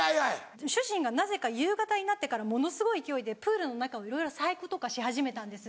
主人がなぜか夕方になってからものすごい勢いでプールの中をいろいろ細工とかし始めたんです。